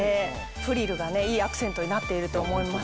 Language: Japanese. フリルがいいアクセントになっていると思います。